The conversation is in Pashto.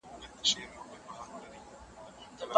تر ټولو جالبه لا داده،